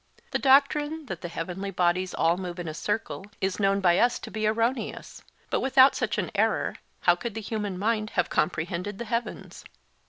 The doctrine that the heavenly bodies all move in a circle is known by us to be erroneous; but without such an error how could the human mind have comprehended the heavens?